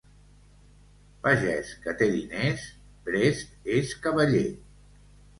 Pagès que té diners, prest és cavaller.